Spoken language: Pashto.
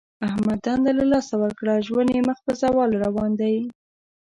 احمد دنده له لاسه ورکړه. ژوند یې مخ په زوال روان دی.